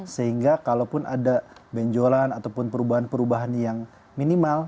sehingga kalaupun ada benjolan ataupun perubahan perubahan yang minimal